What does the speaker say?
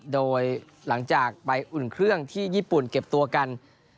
โดยหลังจากไปอุ่นเครื่องที่ญี่ปุ่นเก็บตัวกัน